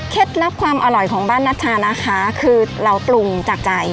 ลับความอร่อยของบ้านนัชชานะคะคือเราปรุงจากใจ